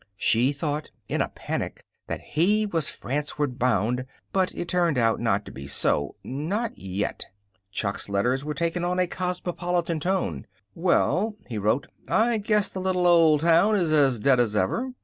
She thought, in a panic, that he was Franceward bound, but it turned out not to be so. Not yet. Chuck's letters were taking on a cosmopolitan tone. "Well," he wrote, "I guess the little old town is as dead as ever.